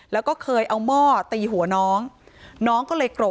แล้วก็เคยเอาม่อตีหัวน้อง